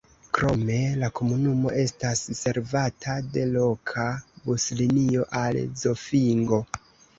Krome la komunumo estas servata de loka buslinio al Zofingo.